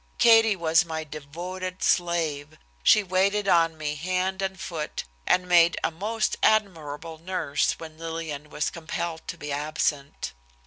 Katie was my devoted slave. She waited on me hand and foot, and made a most admirable nurse when Lillian was compelled to be absent.